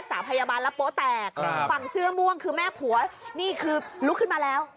เสื้อม่วงคือแม่ผัวนี่คือลุกขึ้นมาแล้ว